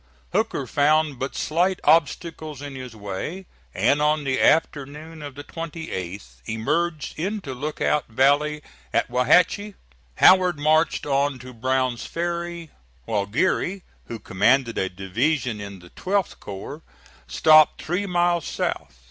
Hooker found but slight obstacles in his way, and on the afternoon of the 28th emerged into Lookout valley at Wauhatchie. Howard marched on to Brown's Ferry, while Geary, who commanded a division in the 12th corps, stopped three miles south.